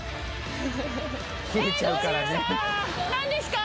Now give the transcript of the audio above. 何ですか？